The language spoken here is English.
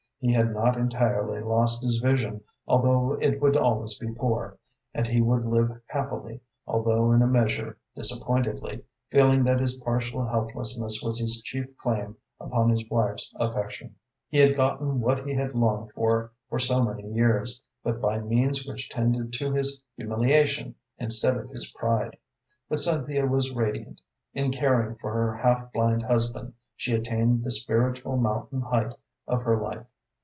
He had not entirely lost his vision, although it would always be poor, and he would live happily, although in a measure disappointedly, feeling that his partial helplessness was his chief claim upon his wife's affection. He had gotten what he had longed for for so many years, but by means which tended to his humiliation instead of his pride. But Cynthia was radiant. In caring for her half blind husband she attained the spiritual mountain height of her life.